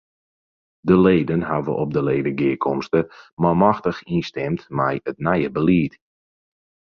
De leden hawwe op de ledegearkomste manmachtich ynstimd mei it nije belied.